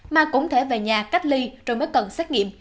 mà cũng thể về nhà cách ly rồi mới cần xét nghiệm